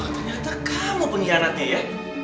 ternyata kamu penyiharannya ya